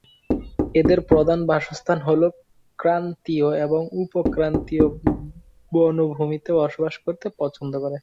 এদের প্রধান বাসস্থান হল ক্রান্তীয় এবং উপক্রান্তীয় বনভূমিতে বসবাস করতে পছন্দ করে।